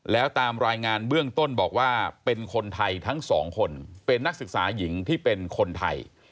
แล้วตามรายงานเบื้องต้นบอกว่าเป็นคนไทยทั้งสองคนเป็นนักศึกษาหญิงที่เป็นคนไทย